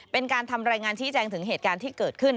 เป็นการทำรายงานชี้แจงถึงเหตุการณ์ที่เกิดขึ้น